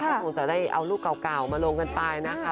ก็คงจะได้เอารูปเก่ามาลงกันไปนะคะ